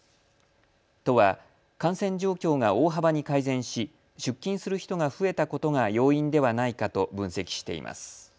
都は、感染状況が大幅に改善し出勤する人が増えたことが要因ではないかと分析しています。